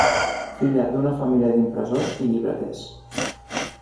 Filla d'una família d'impressors i llibreters.